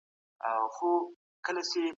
د پښتو د ودي لپاره باید ټول مسلمانان سره متحد سي.